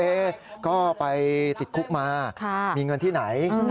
ก็ไปติดคุกมามีเงินที่ไหน